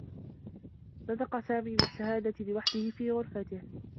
نطق سامي بالشّهادة لوحده في غرفته.